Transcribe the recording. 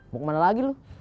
mau kemana lagi lo